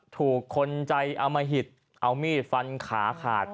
ถูกคนใจอมหิตเอามีดฟันขาขาด